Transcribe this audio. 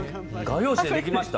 画用紙でできました？